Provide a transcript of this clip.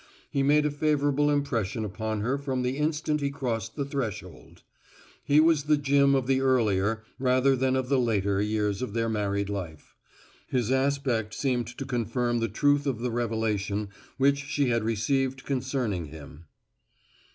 He made a favorable impression upon her from the instant he crossed the threshold. He was the Jim of the earlier rather than of the later years of their married life. His aspect seemed to confirm the truth of the revelation which she had received concerning him.